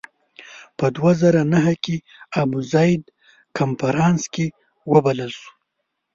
په دوه زره نهه کې ابوزید کنفرانس کې وبلل شو.